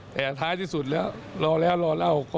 แต่ท้ายที่สุดแล้วรอแล้วรอเล่า